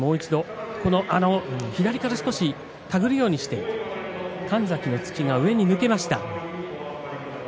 左から少し手繰るようにして神崎の突きが上に抜けました。